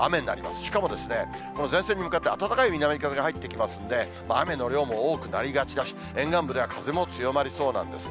しかもこの前線に向かって暖かい南風が入ってきますので、雨の量も多くなりがちだし、沿岸部では風も強まりそうなんですね。